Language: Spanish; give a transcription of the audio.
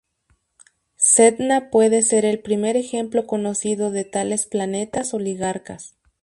Sedna puede ser el primer ejemplo conocido de tales planetas oligarcas.